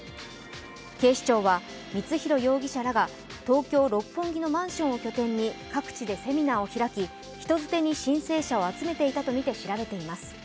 警視庁は光弘容疑者らが東京・六本木のマンションを拠点に各地でセミナーを開き人づてに申請者を集めていたとみて調べています。